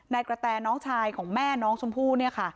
นายกระแตน้องชายของแม่น้องชมพู่